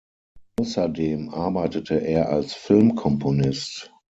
Außerdem arbeitete er als Filmkomponist.